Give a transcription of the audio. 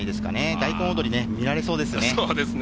大根踊り、見られそうですよね。